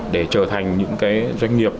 để trở thành những doanh nghiệp